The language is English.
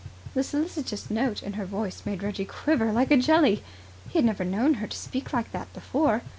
The solicitous note in her voice made Reggie quiver like a jelly. He had never known her speak like that before.